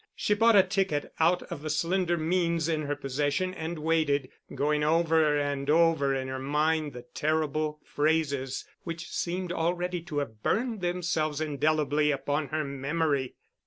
She bought a ticket out of the slender means in her possession and waited, going over and over in her mind the terrible phrases which seemed already to have burned themselves indelibly upon her memory.